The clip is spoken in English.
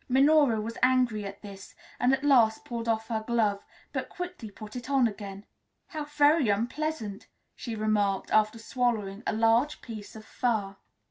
Minora was angry at this, and at last pulled off her glove, but quickly put it on again. "How very unpleasant," she remarked after swallowing a large piece of fur.